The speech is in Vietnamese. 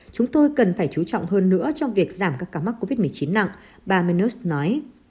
chúng tôi cần phải chú trọng hơn nữa trong việc giảm các ca mắc covid một mươi chín nặng bamenus nói